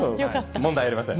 問題ありません。